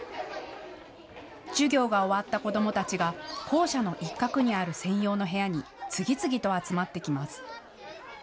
授業が終わった子どもたちが校舎の一角にある専用の部屋に次々と集まってきます。